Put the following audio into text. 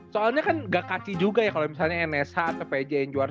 soalnya kan gak kacih juga ya kalo misalnya nsh atau pj yang juara